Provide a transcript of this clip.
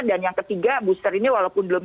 dan yang ketiga booster ini walaupun belum